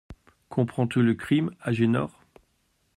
Comprends-tu le crime, Agénor ?